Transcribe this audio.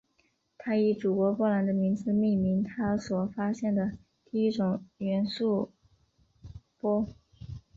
她以祖国波兰的名字命名她所发现的第一种元素钋。